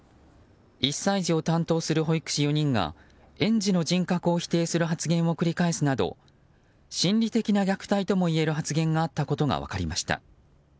１歳児を担当する保育士４人が園児の人格を否定する発言を繰り返すなど心理的な虐待ともいえる発言があったことが分かりました。